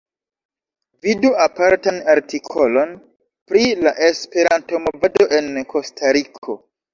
Vidu apartan artikolon pri la Esperanto-movado en Kostariko.